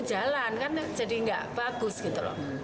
jalan kan jadi nggak bagus gitu loh